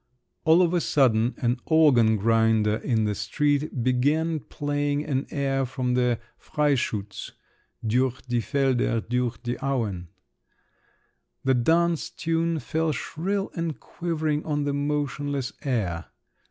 All of a sudden, an organ grinder in the street began playing an air from the Freischütz: "Durch die Felder, durch die Auen …" The dance tune fell shrill and quivering on the motionless air.